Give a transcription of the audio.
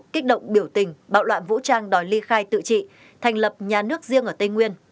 kích động biểu tình bạo loạn vũ trang đòi ly khai tự trị thành lập nhà nước riêng ở tây nguyên